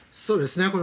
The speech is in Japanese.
そうですね。